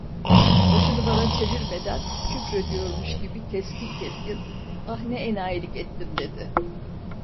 Başını bana çevirmeden, küfrediyormuş gibi keskin keskin: "Ah… ne enayilik ettim!" dedi.